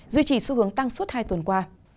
duy trì xu hướng tăng suốt hai tuần qua